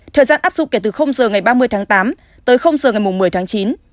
thời gian áp dụng kể từ h ngày ba mươi tháng tám tới h ngày một mươi tháng chín